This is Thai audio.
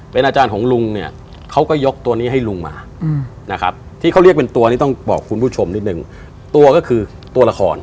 เป็นอาจารย์ของลุงเนี่ยเขาก็ยกตัวนี้ให้ลุงมานะครับที่เขาเรียกเป็นตัวนี้ต้องบอกคุณผู้ชมนิดนึงตัวก็คือตัวละคร